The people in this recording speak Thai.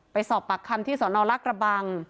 ไปสอบปากคำที่สนลากระบัง